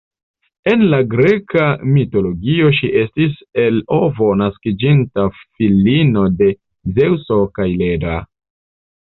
En la greka mitologio ŝi estis el ovo naskiĝinta filino de Zeŭso kaj Leda.